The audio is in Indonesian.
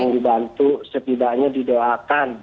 tolong dibantu setidaknya didoakan